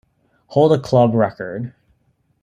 Hold a club record.